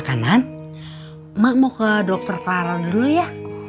kenapa gue their takut ya